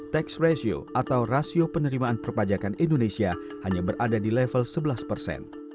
tax ratio atau rasio penerimaan perpajakan indonesia hanya berada di level sebelas persen